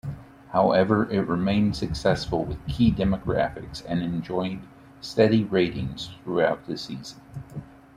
However, it remained successful with key demographics and enjoyed steady ratings throughout the season.